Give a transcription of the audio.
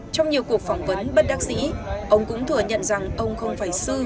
trong nhiều cuộc phỏng vấn bất đắc dĩ ông cũng thừa nhận rằng ông không phải sư